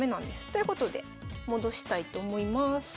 ということで戻したいと思います。